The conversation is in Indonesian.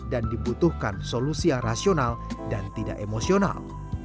dan dibutuhkan solusinya rasional dan tidak emosional